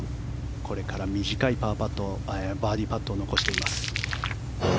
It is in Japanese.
これから短いバーディーパットを残しています。